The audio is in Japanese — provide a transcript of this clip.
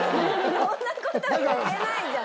そんな事言ってないじゃん！